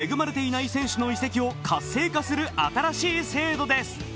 出場機会に恵まれていない選手の移籍を活性化する新しい制度です。